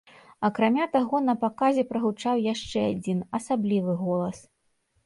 Акрамя таго, на паказе прагучаў яшчэ адзін, асаблівы голас.